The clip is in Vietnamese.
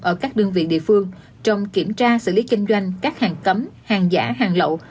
ở các đơn vị địa phương trong kiểm tra xử lý kinh doanh các hàng cấm hàng giả hàng lậu